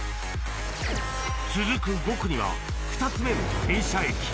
続く５区には２つ目の停車駅